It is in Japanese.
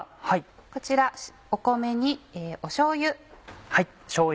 こちら米にしょうゆ。